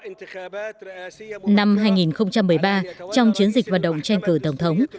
năm hai nghìn một mươi ba trong chiến dịch vận động tranh cử tổng thống